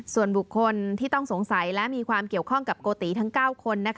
ส่วนบุคคลที่ต้องสงสัยและมีความเกี่ยวข้องกับโกติทั้ง๙คน